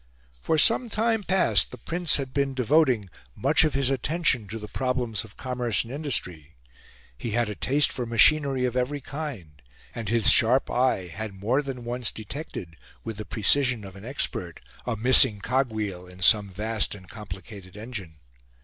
For some time past the Prince had been devoting much of his attention to the problems of commerce and industry. He had a taste for machinery of every kind, and his sharp eye had more than once detected, with the precision of an expert, a missing cog wheel in some vast and complicated engine.